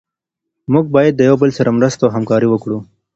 موږ باید د یو بل سره مرسته او همکاري وکړو.